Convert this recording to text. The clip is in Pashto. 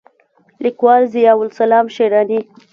لیکوال: ضیاءالاسلام شېراني